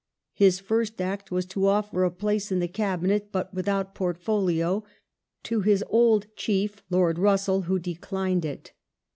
His istry first act was to offer a place in the Cabinet, but without portfolio, to his old chief Lord Russell, who declined it.